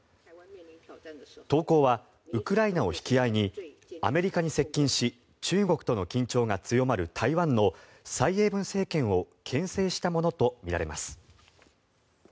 投稿はウクライナを引き合いにアメリカに接近し中国との緊張が強まる台湾の蔡英文政権をけん制したものとみられます。